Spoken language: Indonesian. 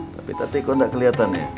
tapi tati kok gak keliatan ya